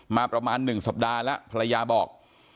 มาประมาณ๑สัปดาห์แล้วภรรยาบอก